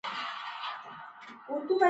سرمایه داران په دې لار کې له هر څه برخمن دي